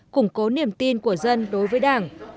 củng cố niềm tin của dân đối với đảng